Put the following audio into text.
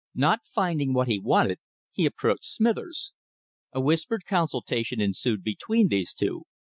Not finding what he wanted, he approached Smithers. A whispered consultation ensued between these two.